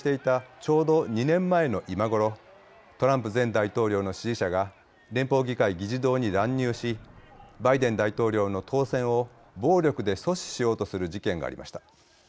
ちょうど２年前の今ごろトランプ前大統領の支持者が連邦議会議事堂に乱入しバイデン大統領の当選を暴力で阻止しようとする事件がありました。